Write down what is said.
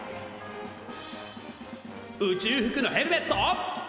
宇宙服のヘルメット。